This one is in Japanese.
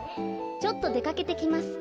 ちょっとでかけてきます。